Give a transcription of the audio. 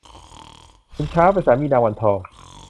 ขุนช้างเป็นสามีนางวันทอง